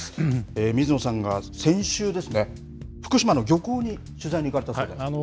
水野さんが先週ですね、福島の漁港に取材に行かれたそうですが。